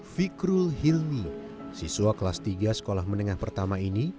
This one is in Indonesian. fikrul hilmi siswa kelas tiga sekolah menengah pertama ini